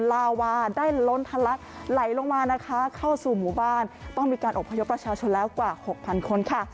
ลาวาได้ล้นทะลักไหลลงมานะคะเข้าสู่หมู่บ้านต้องมีการอบพยพประชาชนแล้วกว่าหกพันคนค่ะ